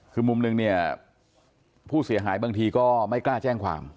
คือมุมหนึ่งเนี่ยผู้เสียหายบางทีก็ไม่กล้าแจ้งความ